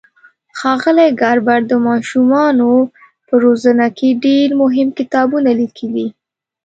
ښاغلي ګاربر د ماشومانو په روزنه کې ډېر مهم کتابونه لیکلي.